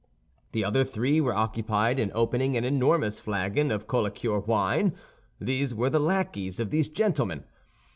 The other three were occupied in opening an enormous flagon of Collicure wine; these were the lackeys of these gentlemen.